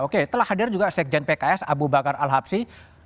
oke telah hadir juga sekjen pks abu bakar al habsi